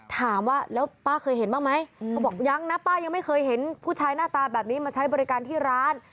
ถามว่าแล้วป้าเคยเห็นบ้างไหมเขาบอกยังนะป้ายังไม่เคยเห็นผู้ชายหน้าตาแบบนี้มาใช้บริการที่ร้าน